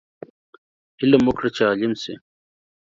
علم وکړه چې عالم شې